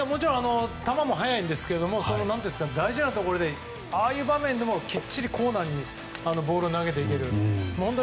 球も速いんですが大事なところ、ああいう場面でもきっちりコーナーにボールを投げていける。